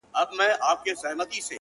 اوس چي سهار دى گراني ـ